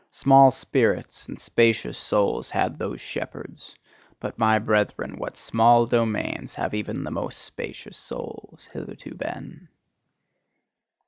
Small spirits and spacious souls had those shepherds: but, my brethren, what small domains have even the most spacious souls hitherto been!